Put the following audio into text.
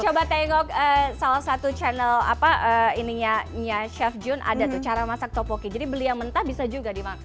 coba tengok salah satu channel apa ininya chef jun ada tuh cara masak topoki jadi beli yang mentah bisa juga dimakan